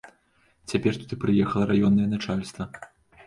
Цяпер туды прыехала раённае начальства.